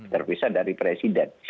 terpisah dari presiden